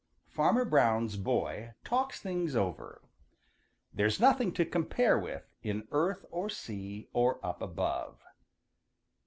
XVI. FARMER BROWN'S BOY TALKS THINGS OVER ````There's nothing to compare with ````In earth or sea or up above.